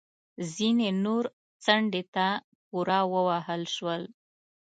ځینې نور څنډې ته پورې ووهل شول